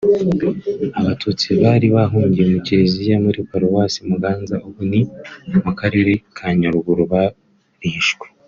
Abatutsi bari bahungiye mu Kiliziya muri paruwasi Muganza (ubu ni mu karere ka Nyaruguru) barishwe